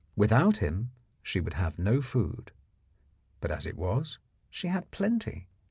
Without him she would have no food, but as it was she had plenty.